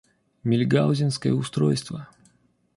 Мильгаузенское устройство.